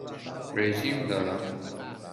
رژیم دارم.